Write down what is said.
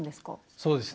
そうですね。